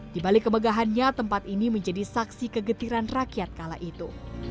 di balik kemegahannya tempat ini menjadi saksi kegetiran rakyat kala itu